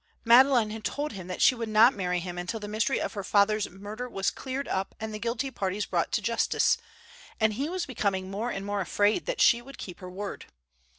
Madeleine had told him that she would not marry him until the mystery of her father's murder was cleared up and the guilty parties brought to justice, and he was becoming more and more afraid that she would keep her word.